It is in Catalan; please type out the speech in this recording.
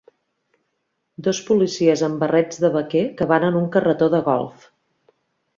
Dos policies amb barrets de vaquer que van en un carretó de golf.